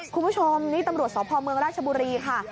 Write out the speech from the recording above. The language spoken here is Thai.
คุณผู้ชมนี่ตำรวจสพเมืองราชบุรีค่ะ